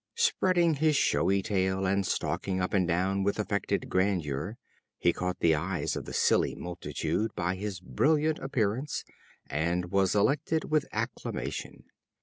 Spreading his showy tail, and stalking up and down with affected grandeur, he caught the eyes of the silly multitude by his brilliant appearance, and was elected with acclamation.